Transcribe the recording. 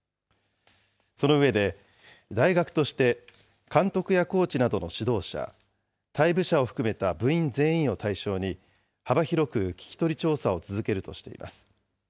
その上で、大学として監督やコーチなどの指導者、退部者を含めた部員全員を対象に、幅広く聞き取り調査を続けるとしています。